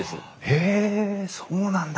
へえそうなんだ！